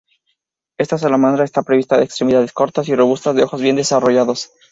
Esta salamandra está provista de extremidades cortas y robustas y de ojos bien desarrollados.